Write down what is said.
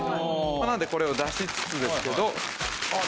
なのでこれを出しつつですけど。